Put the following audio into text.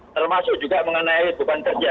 termasuk juga mengenai beban kerja